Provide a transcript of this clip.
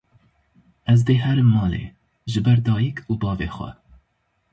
Ez dê herim malê, jiber dayîk û bavê xwe